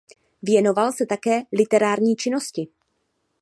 Věnoval se také literární činnosti.